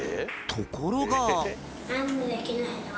ところが。